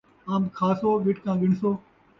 امب کھاسو، ڳٹکاں ڳݨسو